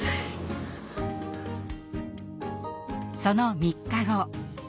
その３日後。